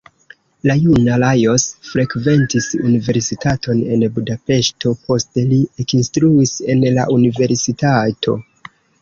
La juna Lajos frekventis universitaton en Budapeŝto, poste li ekinstruis en la universitato.